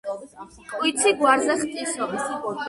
კვიცი გვარზე ხტისო